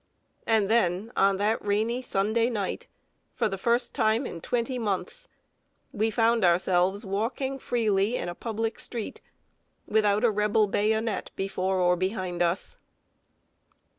And then, on that rainy Sunday night, for the first time in twenty months, we found ourselves walking freely in a public street, without a Rebel bayonet before or behind us!